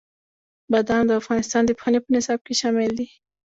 بادام د افغانستان د پوهنې په نصاب کې شامل دي.